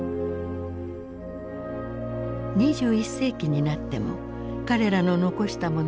２１世紀になっても彼らの残したものは健在である。